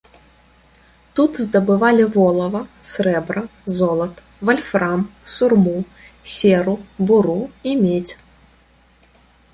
Тут здабывалі волава, срэбра, золата, вальфрам, сурму, серу, буру і медзь.